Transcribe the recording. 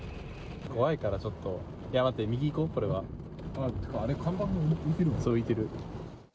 怖いからこれ、ちょっといや待って、右行こう、看板が浮いてるわ。